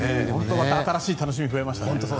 新しい楽しみが増えましたね。